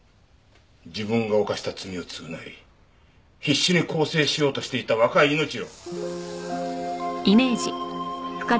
自分が犯した罪を償い必死に更生しようとしていた若い命を。